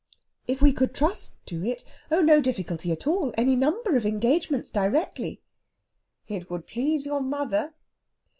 "If we could trust to it? Oh, no difficulty at all! Any number of engagements directly." "It would please your mother."